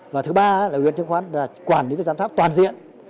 và thứ ba là ủy ban chứng khoán là quản lý và giám sát toàn diện